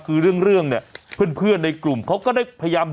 คือเรื่องเนี่ยเพื่อนในกลุ่มเขาก็ได้พยายาม